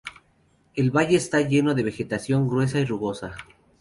El valle esta lleno de vegetación gruesa y rugosa.